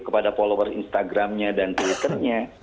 kepada followers instagramnya dan twitternya